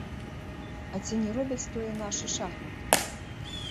А ці не робяць тое нашы шахматы?